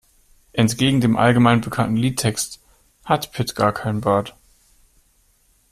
Entgegen dem allgemein bekannten Liedtext hat Pit gar keinen Bart.